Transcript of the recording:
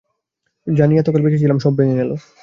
যা নিয়ে এতকাল বেঁচে ছিলাম, সব ভেঙে গেল।